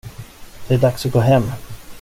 Det är dags att gå hem.